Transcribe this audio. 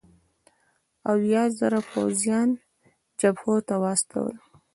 اویا زره پوځیان جبهو ته واستول.